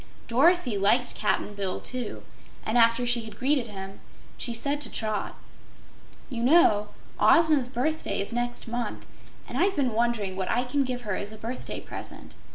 Dorothy liked Cap'n Bill, too, and after she had greeted him, she said to Trot: "You know, Ozma's birthday is next month, and I've been wondering what I can give here as a birthday present.